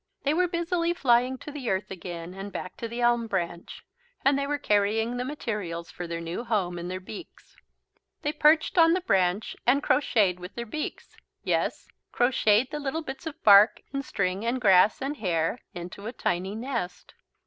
They were busily flying to the earth again and back to the elm branch. And they were carrying the materials for their new home in their beaks. They perched on the branch and crocheted with their beaks. Yes, crocheted the little bits of bark and string and grass and hair into a tiny nest.